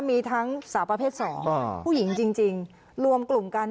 มีทั้งสาวประเภท๒ผู้หญิงจริงรวมกลุ่มกัน